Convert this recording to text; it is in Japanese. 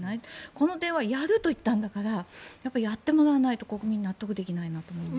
この点はやるといったんだからやってもらわないと国民は納得できないと思いますね。